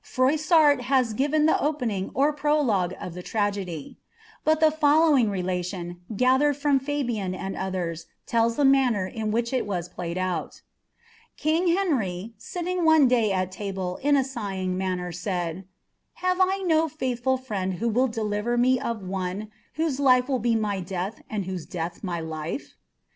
Frois ■ i^iveii the opening or prologue of the Irt^edy ; but ilie follow ttion, gathered from Fabian and others, tells the manner in wliicli played out. : Henry, sitting one day at table, in a sighing manner said, " Have thful friend who will deliver me of one whose life will be my mil whose death my life